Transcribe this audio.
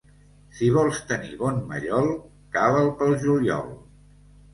Si vols tenir bon mallol, cava'l pel juliol.